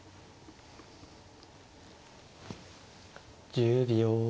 １０秒。